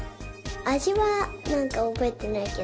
あじはなんかおぼえてないけど。